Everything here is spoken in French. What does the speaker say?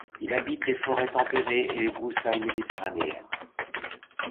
Il habite les forêts tempérées et les broussailles méditerranéennes.